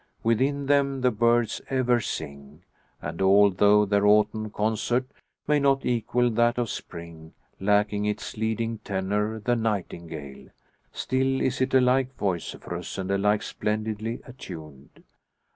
Within them the birds ever sing, and although their autumn concert may not equal that of spring, lacking its leading tenor, the nightingale still is it alike vociferous and alike splendidly attuned.